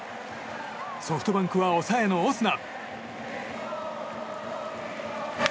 ソフトバンクは抑えのオスナ。